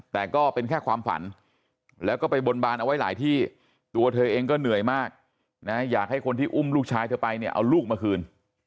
แต่ก็เป็นแค่ความฝันแล้วก็ไปบนบานเอาไว้หลายที่ตัวเธอเองก็เหนื่อยมากนะอยากให้คนที่อุ้มลูกชายเธอไปเนี่ยเอาลูกมาคืน